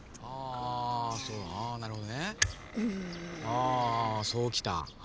ああそうきた？